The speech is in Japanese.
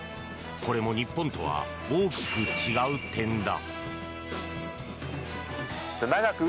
これも日本とは大きく違う点だ。